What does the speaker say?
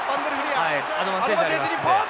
アドバンテージ日本！